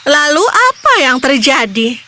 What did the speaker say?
lalu apa yang terjadi